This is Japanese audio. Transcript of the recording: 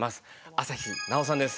朝日奈央さんです。